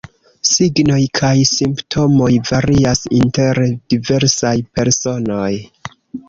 Signoj kaj simptomoj varias inter diversaj personoj.